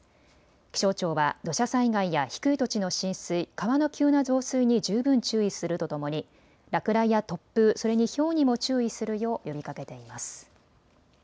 気象庁は土砂災害や低い土地の浸水、川の急な増水に十分注意するとともに落雷や突風、それにひょうにも注意するよう呼びかけています。